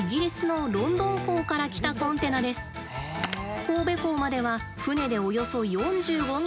これは神戸港までは船でおよそ４５日。